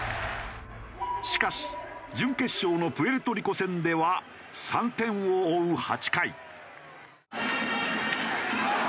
しかし準決勝のプエルトリコ戦では３点を追う８回。